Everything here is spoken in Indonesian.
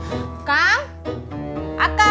harinya adelante juga valleluya